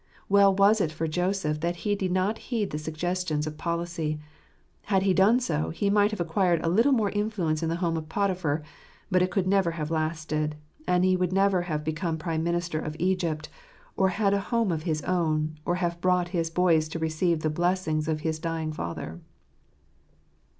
Well was it for Joseph that he did not heed the suggestions of policy : had he done so, he might have acquired a little more influence in the home of Potiphar; but it could never have lasted — and he would never have become prime minister of Egypt, or had a home of his own, or have brought his boys to receive the blessing of his dying father.